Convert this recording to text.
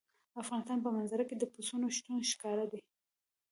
د افغانستان په منظره کې د پسونو شتون ښکاره دی.